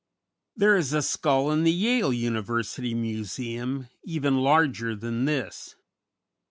There is a skull in the Yale University Museum even larger than this.